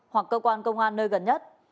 hoặc cơ quan công an nơi gần nhất